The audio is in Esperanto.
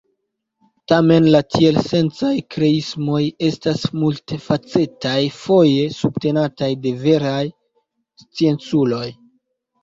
Tamen la tielsencaj kreismoj estas multfacetaj, foje subtenataj de veraj scienculoj.